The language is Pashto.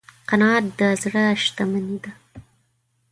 قناعت د زړه شتمني ده.